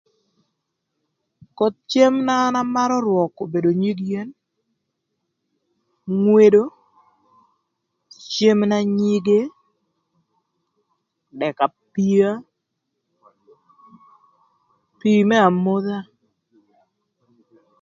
Koth cëm na an amarö rwök obedo nyig yen, ngwedo, cëm na nyige, dek apia kï pii më amodha.